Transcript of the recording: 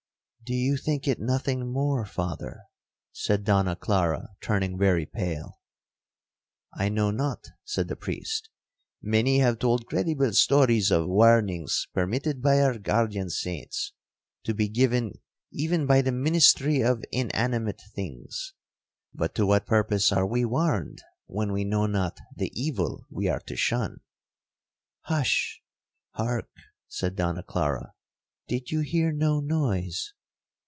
'Do you think it nothing more, Father?' said Donna Clara, turning very pale. 'I know not,' said the priest; 'many have told credible stories of warnings permitted by our guardian saints, to be given even by the ministry of inanimate things. But to what purpose are we warned, when we know not the evil we are to shun?'—'Hush!—hark!' said Donna Clara, 'did you hear no noise?'